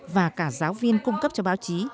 và cả giáo viên cung cấp cho báo chí